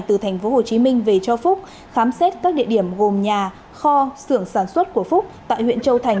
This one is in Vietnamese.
từ tp hcm về cho phúc khám xét các địa điểm gồm nhà kho xưởng sản xuất của phúc tại huyện châu thành